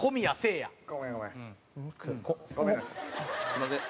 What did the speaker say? すみません。